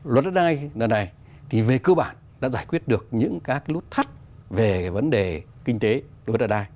luật đất đai này thì về cơ bản đã giải quyết được những các cái lút thắt về vấn đề kinh tế đất đai